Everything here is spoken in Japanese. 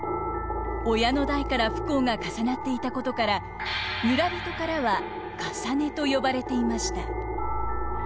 親の代から不幸が重なっていたことから村人からは「かさね」と呼ばれていました。